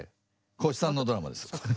光一さんのドラマです。